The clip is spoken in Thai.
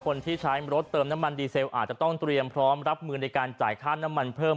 คนที่ใช้รถเติมน้ำมันดีเซลอาจจะต้องเตรียมพร้อมรับมือในการจ่ายค่าน้ำมันเพิ่ม